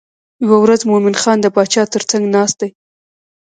یوه ورځ مومن خان د باچا تر څنګ ناست دی.